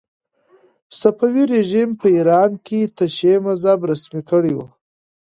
صفوي رژیم په ایران کې تشیع مذهب رسمي کړی و.